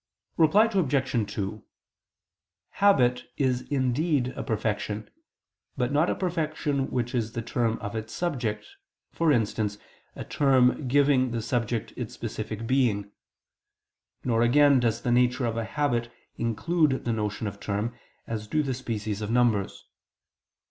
Reply Obj. 2: Habit is indeed a perfection, but not a perfection which is the term of its subject; for instance, a term giving the subject its specific being. Nor again does the nature of a habit include the notion of term, as do the species of numbers.